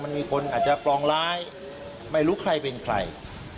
มันมีคนอาจจะปลองร้ายไม่รู้ใครเป็นใคร